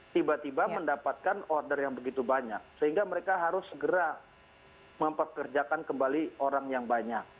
tiba tiba mendapatkan order yang begitu banyak sehingga mereka harus segera mempekerjakan kembali orang yang banyak